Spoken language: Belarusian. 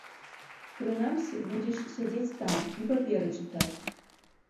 Прынамсі, будзеш сядзець там і паперы чытаць.